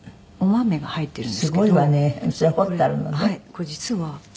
これ実は。